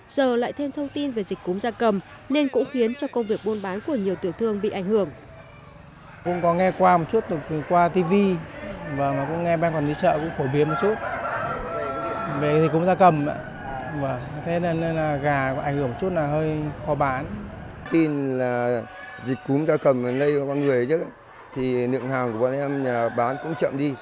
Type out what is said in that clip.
giờ lại thêm thông tin về dịch cúm gia cầm nên cũng khiến cho công việc buôn bán của nhiều tiểu thương bị ảnh hưởng